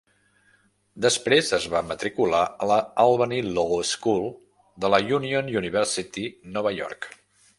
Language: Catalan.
Després es va matricular a la Albany Law School de la Union University, Nova York.